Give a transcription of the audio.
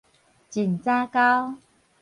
儘早溝